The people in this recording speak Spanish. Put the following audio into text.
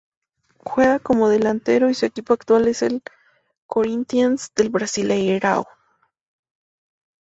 Juega como delantero y su equipo actual es el Corinthians del Brasileirão.